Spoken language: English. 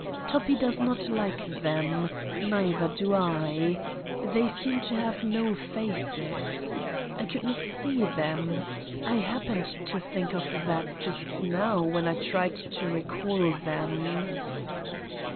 Toppi does not like them. Neither do I. They seem to have no faces. I could not see them. I happened to think of that just now when I tried to recall them.